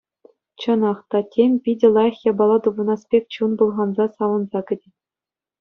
Чӑнах та, тем питӗ лайӑх япала тупӑнас пек чун пӑлханса савӑнса кӗтет.